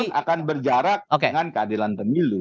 maka putusannya pun akan berjarak dengan keadilan pemilu